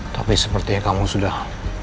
tapi sepertinya kamu sudah